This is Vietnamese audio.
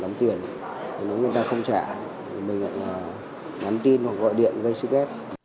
đóng tiền nếu người ta không trả thì mình lại nhắn tin hoặc gọi điện gây sức ép